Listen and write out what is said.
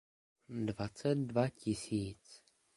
Dvacet dva tisíc.